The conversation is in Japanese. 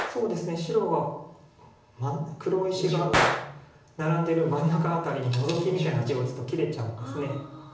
白が黒石がナラんでる真ん中辺りにノゾキみたいな手を打つと切れちゃうんです。